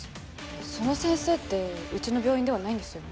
その先生ってうちの病院ではないんですよね？